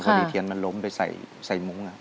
พอดีเทียนมันล้มไปใส่มุ้ง